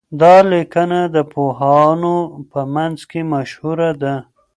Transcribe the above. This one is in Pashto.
دا لیکنه د پوهانو په منځ کي مشهوره ده.